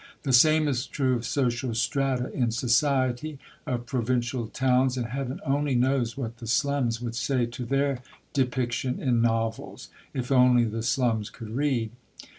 The same is true of social strata in society, of provincial towns, and Heaven only knows what the Slums would say to their depiction in novels, if only the Slums could read.